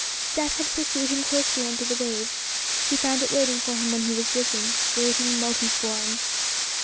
Death had pursued him closely under the waves; he found it waiting for him when he was risen—waiting multiform.